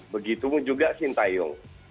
begitumu juga sintayung